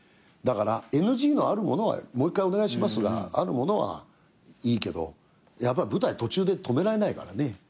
だからＮＧのあるものはもう１回お願いしますがあるものはいいけどやっぱり舞台途中で止められないからね。